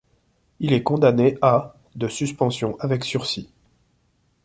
Il est condamné à de suspension avec sursis.